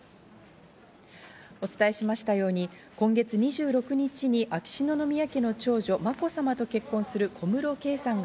お伝えしましたように、今月２６日に秋篠宮家の長女・まこさまと結婚する小室圭さんが